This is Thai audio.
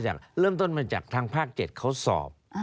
เริ่มต้นมาจากทางภาค๗เขาสอบ